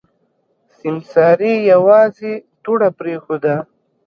سيمسارې يوازې دوړه پرېښوده.